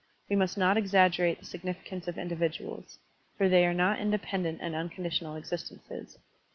We must not exaggerate the significance of individuals, for they are not independent ancf unconditional existences.